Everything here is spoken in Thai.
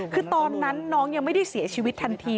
คือตอนนั้นน้องยังไม่ได้เสียชีวิตทันที